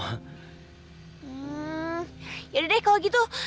hmm yaudah deh kalau gitu